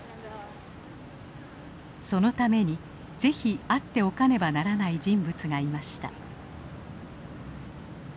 そのために是非会っておかねばならない人物がいました。